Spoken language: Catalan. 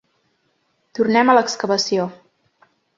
tornem a l'excavació.